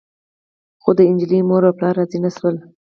خو د نجلۍ مور او پلار راضي نه شول.